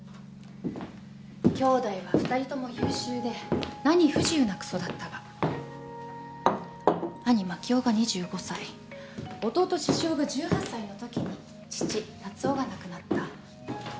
兄弟は２人とも優秀で何不自由なく育ったが兄万亀雄が２５歳弟獅子雄が１８歳のときに父多鶴雄が亡くなった。